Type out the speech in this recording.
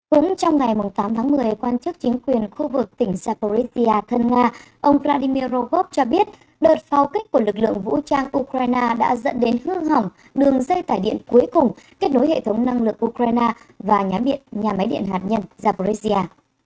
cũng trong ngày tám tháng một mươi quan chức chính quyền khu vực tỉnh zaporizhia thân nga ông vladimir rogov cho biết đợt pháo kích của lực lượng vũ trang ukraine đã dẫn đến hương hỏng đường dây tải điện cuối cùng kết nối hệ thống năng lực ukraine và nhà máy điện hạt nhân zaporizhia